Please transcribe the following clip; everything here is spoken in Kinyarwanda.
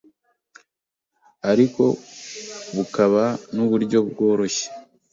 ariko bukaba n’uburyo bworoshye